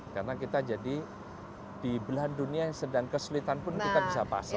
karena kita jadi di belahan dunia yang sedang kesulitan pun kita bisa masuk